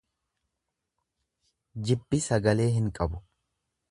Jibbi sagalee hin qabu.